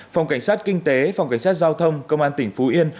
phòng cảnh sát kinh tế phòng cảnh sát giao thông công an tỉnh phú yên